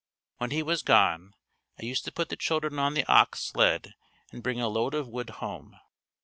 When he was gone, I used to put the children on the ox sled and bring a load of wood home.